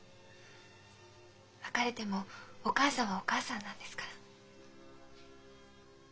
別れてもお母さんはお母さんなんですから。